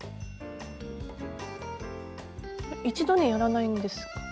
一度にやらないんですか？